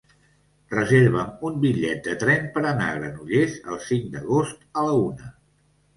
Reserva'm un bitllet de tren per anar a Granollers el cinc d'agost a la una.